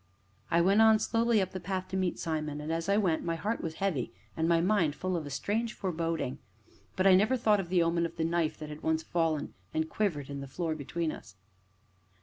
I went on slowly up the path to meet Simon, and, as I went, my heart was heavy, and my mind full of a strange foreboding. But I never thought of the omen of the knife that had once fallen and quivered in the floor between us.